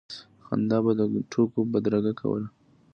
خندا به د ټوکو بدرګه کوله.